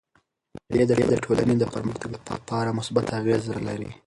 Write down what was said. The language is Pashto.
مېلې د ټولني د پرمختګ له پاره مثبت اغېز لري.